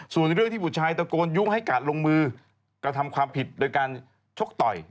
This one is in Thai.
ส่วนเรื่องที่บุตรชายตะโกนยุ่งให้กาดลงมือกระทำความผิดโดยการชกต่อย